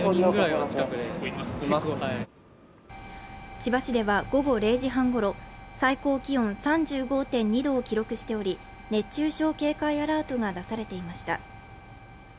千葉市では午後０時半ごろ、最高気温３５．２度を記録しており熱中症警戒アラートが出されていました。